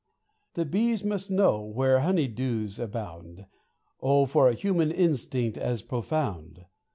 The bees must know where honey dews abound ; Oh, for a human instinct as profound